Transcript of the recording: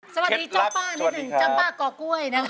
สวัสดีจ้ำป้ากอกก้วยนะครับ